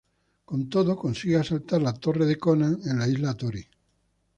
Con todo consiguen asaltar la Torre de Conan en la Isla Tory.